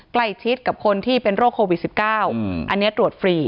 ใกล้ชิดกับคนที่เป็นโรคโควิด๑๙อันนี้ตรวจฟรี